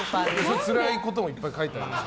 つらいこともいっぱい書いてあります。